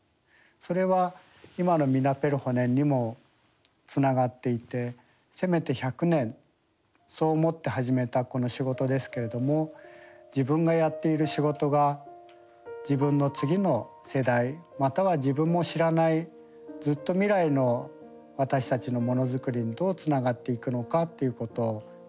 それは今の「ミナペルホネン」にもつながっていてせめて１００年そう思って始めたこの仕事ですけれども自分がやっている仕事が自分の次の世代または自分も知らないずっと未来の私たちのものづくりにどうつながっていくのかということを考えるようになりました。